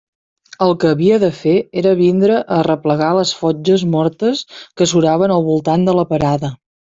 El que havia de fer era vindre a arreplegar les fotges mortes que suraven al voltant de la parada.